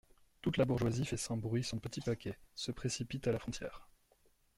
Toute la bourgeoisie fait sans bruit son petit paquet, se précipite à la frontière.